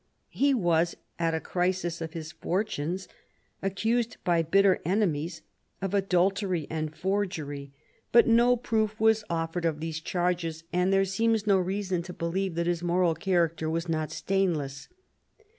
He was, at a crisis of his fortunes, accused by bitter enemies of adultery and forgery, but no proof was offered cf these 242 CHARLEMAGNE. charges, and there seems no reason to believe that his moral character was not stainless.